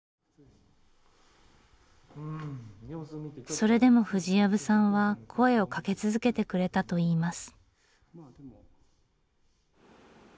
それでも藤藪さんは声をかけ続けてくれたといいます。